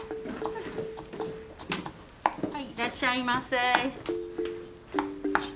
はいいらっしゃいませ。